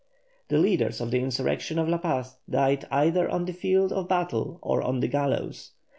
The leaders of the insurrection of La Paz died either on the field of battle or on the gallows.